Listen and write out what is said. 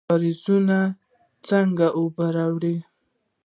کاریزونه څنګه اوبه راوړي؟